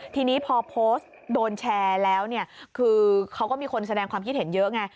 ทีนี้พอโพสต์โดนแชร์แล้วเนี่ยคือเขาก็มีคนแสดงความคิดเห็นเยอะไง